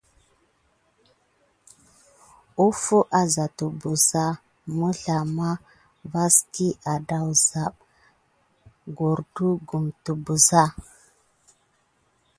Hofo azà təɓəz vaski mizelamɗe adaou saback sikéte van maya cordu kum bardaou.